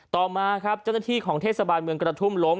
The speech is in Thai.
ต่อมาครับเจ้าหน้าที่ของเทศบาลเมืองกระทุ่มล้ม